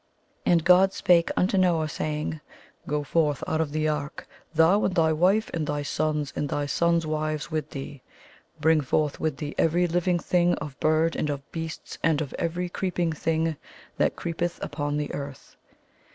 And God spake unto Noah, saying, *'Go forth out of the ark, thou and thy wife and thy sons and thy sons' wives with thee. Bring forth with thee every living thing, of birds and of beasts and of every creeping thing that creepeth upon the earth.